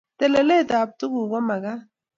Telelet ab tuguk komakat